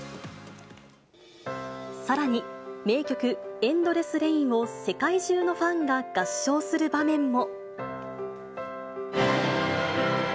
さらに名曲、ＥＮＤＬＥＳＳＲＡＩＮを世界中のファンが合唱する場面も。